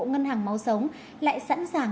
ngân hàng máu sống lại sẵn sàng